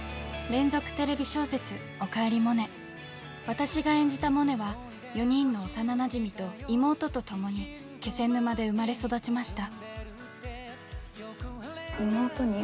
私が演じたモネは４人のおさななじみと妹とともに気仙沼で生まれ育ちました。